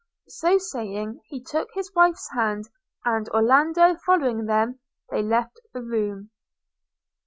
– So, saying, he took his wife's hand, and, Orlando following them, they left the room.